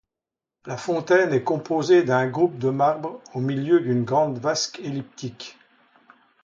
La fontaine est composée d'un groupe de marbre au milieu d'une grande vasque elliptique.